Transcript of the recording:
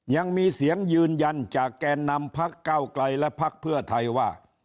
ยังมีเสียงยืนยันจากแกนนำพักเก้าไกลและพักเพื่อไทยว่า